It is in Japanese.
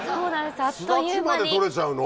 巣立ちまで撮れちゃうの？